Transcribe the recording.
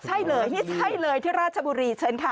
ใช่เลยนี่ใช่เลยที่ราชบุรีเชิญค่ะ